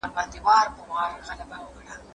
هغه وويل چي کالي وچول مهم دي؟